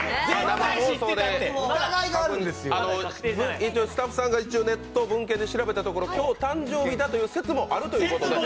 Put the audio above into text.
生放送でもあるんで、スタッフさんがネット・文献で調べたところ、今日、誕生日だという説もあるそうです。